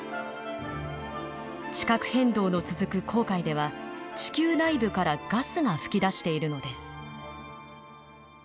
地殻変動の続く紅海では地球内部からガスが噴き出しているのです。